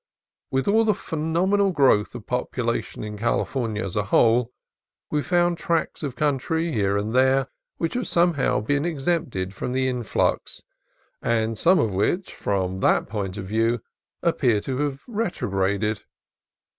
With all the phenomenal growth of popula tion in California as a whole, we found tracts of country here and there which have somehow been exempted from the influx, and some which from that point of view appear even to have retrograded.